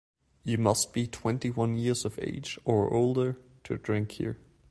You must be twenty-one years of age, or older, to drink here.